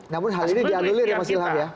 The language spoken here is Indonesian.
namun hal ini dialir ya mas ilham ya